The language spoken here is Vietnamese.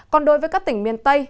còn đối với các tỉnh miền tây